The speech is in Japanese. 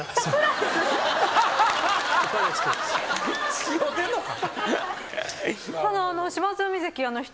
付き合うてんのか？